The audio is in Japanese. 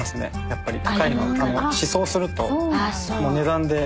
やっぱり高いの試奏すると値段で。